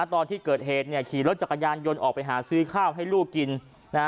ตอนที่เกิดเหตุขี่รถจากกะยานยนต์ออกไปหาซื้อข้าวให้ลูกกิน